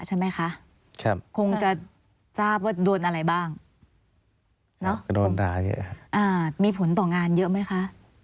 ใช่ไหมคะครับคงจะทราบว่าโดนอะไรบ้างเนอะก็โดนด่าเยอะอ่ามีผลต่องานเยอะไหมคะ